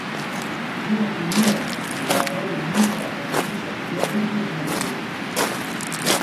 زه یقیني یم چې د هغه علمي فرهنګي شخصیت هم څوک نه هېروي.